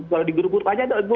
kalau di grup grup saja